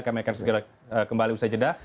kami akan segera kembali usai jeda